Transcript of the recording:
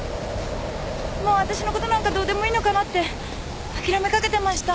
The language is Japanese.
もう私の事なんかどうでもいいのかなって諦めかけてました。